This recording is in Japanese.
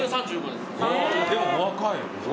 でもお若い。